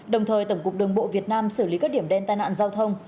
đồng thời tổng cục đường bộ việt nam xử lý các điểm đen tai nạn giao thông